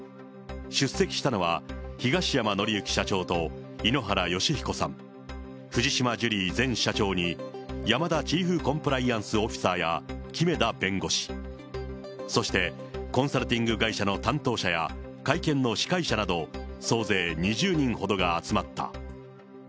出席したのは、東山紀之社長と井ノ原快彦さん、藤島ジュリー前社長に山田チーフコンプライアンスオフィサーや木目田弁護士、そしてコンサルティング会社の担当者や会見の司会者など、総勢２０人ほどが集まった。